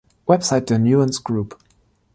Website der Nuance Group